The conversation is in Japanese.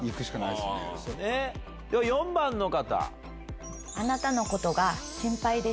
では４番の方。